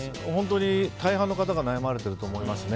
大半の方が悩まれていると思いますね。